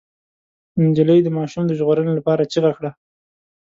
نجلۍ د ماشوم د ژغورنې لپاره چيغه کړه.